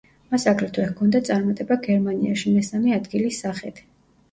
მას აგრეთვე ჰქონდა წარმატება გერმანიაში, მესამე ადგილის სახით.